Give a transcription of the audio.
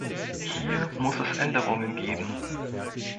Hier muss es Änderungen geben.